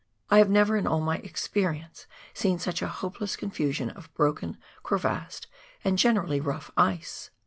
I have never in all my experience seen such a hopeless confusion of broken, crevassed, and generally rough ice.